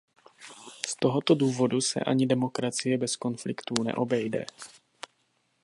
Z tohoto důvodu se ani demokracie bez konfliktů neobejde.